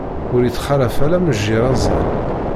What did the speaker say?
Ur ittxalaf ara mejjir aẓaṛ.